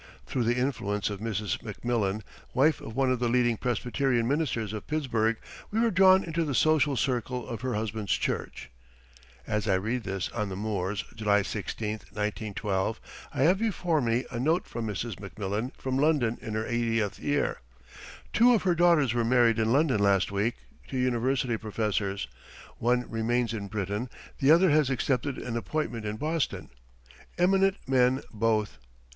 Through the influence of Mrs. McMillan, wife of one of the leading Presbyterian ministers of Pittsburgh, we were drawn into the social circle of her husband's church. [As I read this on the moors, July 16, 1912, I have before me a note from Mrs. McMillan from London in her eightieth year. Two of her daughters were married in London last week to university professors, one remains in Britain, the other has accepted an appointment in Boston. Eminent men both.